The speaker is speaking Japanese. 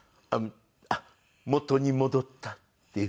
あっ元に戻ったっていうね